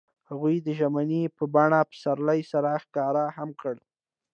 هغوی د ژمنې په بڼه پسرلی سره ښکاره هم کړه.